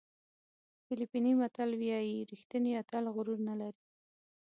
فلپیني متل وایي ریښتینی اتل غرور نه لري.